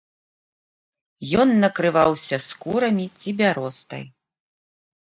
Ён накрываўся скурамі ці бяростай.